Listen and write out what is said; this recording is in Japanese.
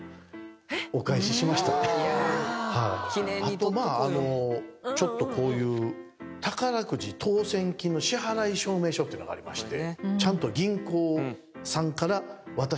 あとまあちょっとこういう宝くじ当せん金の支払証明書っていうのがありまして。